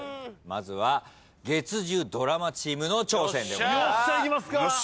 まずは月１０ドラマチームの挑戦でございます。